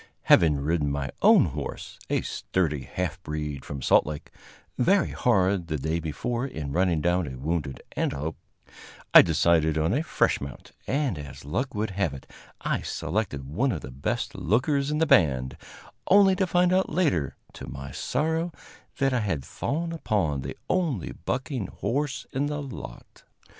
Having ridden my own horse, a sturdy half breed from Salt Lake, very hard the day before in running down a wounded antelope, I decided on a fresh mount; and, as luck would have it, I selected one of the best lookers in the band, only to find out later, to my sorrow, that I had fallen upon the only bucking horse in the lot.